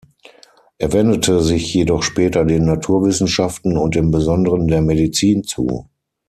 Er wendete sich jedoch später den Naturwissenschaften und im Besonderen der Medizin zu.